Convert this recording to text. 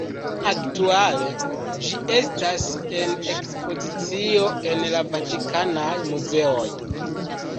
Aktuale ĝi estas en ekspozicio en la Vatikanaj muzeoj.